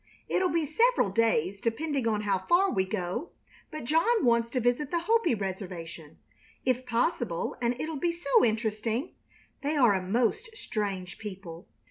It'll be several days, depending on how far we go, but John wants to visit the Hopi reservation, if possible, and it'll be so interesting. They are a most strange people.